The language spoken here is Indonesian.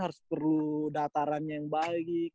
harus perlu dataran yang baik